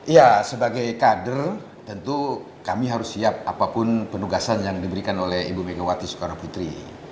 ya sebagai kader tentu kami harus siap apapun penugasan yang diberikan oleh ibu megawati soekarno putri